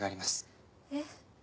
えっ？